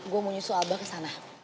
gue mau nyusul abah ke sana